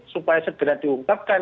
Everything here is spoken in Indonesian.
supaya segera diungkapkan